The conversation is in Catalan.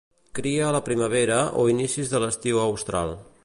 Cria a la primavera o inicis de l'estiu austral.